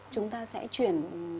chúng ta sẽ chuyển